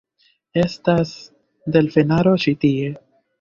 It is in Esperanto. Estas... delfenaro ĉi tie.